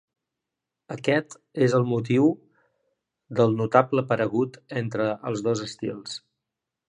Aquest és el motiu del notable paregut entre els dos estils.